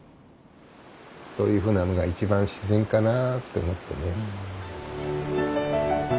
そういうふうなのが一番自然かなって思ってね。